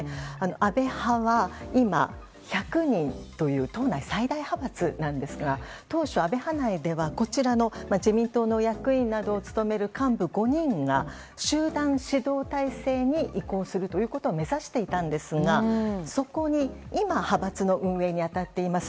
安倍派は今、１００人という党内最大派閥なんですが当初、安倍派内では自民党の役員などを務める幹部５人が集団指導体制に移行するということを目指していたんですがそこに今、派閥の運営に当たっています